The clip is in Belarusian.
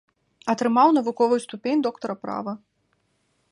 Атрымаў навуковую ступень доктара права.